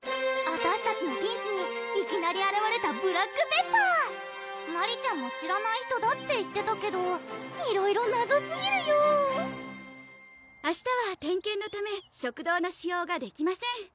あたしたちのピンチにいきなりあらわれたブラックペッパーマリちゃんも知らない人だって言ってたけどいろいろ謎すぎるよ明日は点検のため食堂の使用ができません